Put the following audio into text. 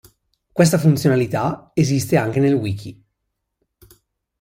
Questa funzionalità esiste anche nel wiki.